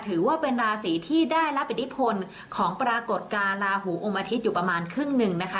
ถือว่าเป็นราศีที่ได้รับอิทธิพลของปรากฏการณ์ลาหูอมอาทิตย์อยู่ประมาณครึ่งหนึ่งนะคะ